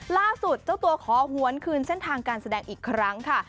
ล่าสุดเจ้าตัวขอหวนคืนเส้นทางการแสดงอีกครั้งค่ะ